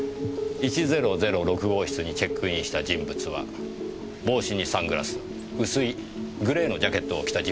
１００６号室にチェックインした人物は帽子にサングラス薄いグレーのジャケットを着た人物でした。